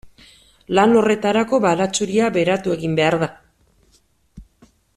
Lan horretarako baratxuria beratu egin behar da.